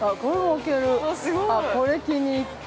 ◆これ気に入った。